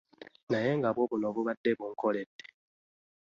Naye nga bwo bunno bubaddde bunkoledde .